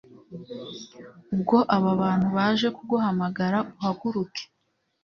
Ubwo aba bantu baje kuguhamagara uhaguruke